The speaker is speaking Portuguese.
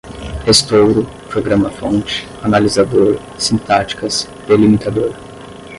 estouro, programa-fonte, analisador, sintáticas, delimitador